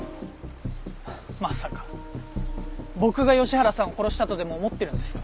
まさか僕が吉原さんを殺したとでも思ってるんですか？